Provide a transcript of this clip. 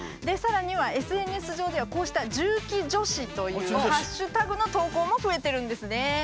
でさらにはＳＮＳ上ではこうした「＃重機女子」というハッシュタグの投稿も増えてるんですね。